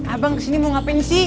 abang kesini mau ngapain sih